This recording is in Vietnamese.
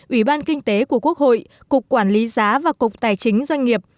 ủy ban kinh tế của quốc hội cục quản lý giá và cục tài chính doanh nghiệp